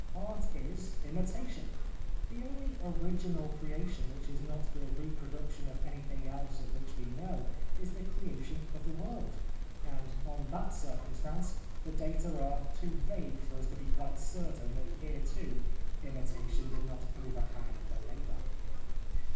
Art is imitation. The only original creation which is not the reproduction of anything else of which we know is the creation of the world, and on that circumstance the data are too vague for us to be quite certain that here too imitation did not overhang the labour.